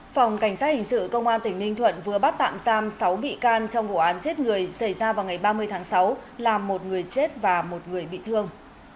phòng cảnh sát hình sự công an tỉnh ninh thuận vừa bắt tạm giam sáu bị can trong vụ án giết người xảy ra vào ngày ba mươi tháng sáu làm một người chết và một người bị thương